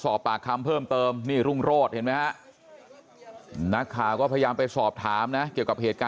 สอบปากคำเพิ่มเติมรุ่งโรตเห็นไหมวะนักข่าวก็พยายามไปสอบถามนะ